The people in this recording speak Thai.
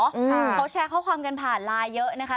เขาแชร์ข้อความกันผ่านไลน์เยอะนะคะ